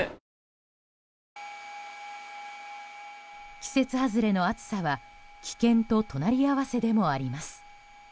季節外れの暑さは危険と隣り合わせでもあります。